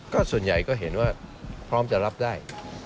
ก็ส่วนใหญ่ก็เห็นว่าพร้อมจะรับได้